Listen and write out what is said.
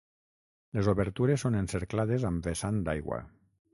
Les obertures són encerclades amb vessant d'aigua.